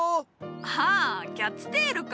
ああキャッツテールか。